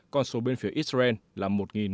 còn số bên phía israel là một một trăm bốn mươi